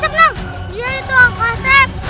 iya itu akas